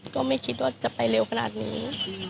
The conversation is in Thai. ก็ไม่คิดว่าจะไปเร็วขนาดนี้